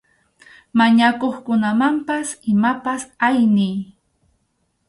Mañakuqkunamanpas imapas ayniy.